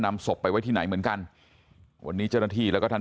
ศพไปไว้ที่ไหนเหมือนกันวันนี้เจ้าหน้าที่แล้วก็ท่าน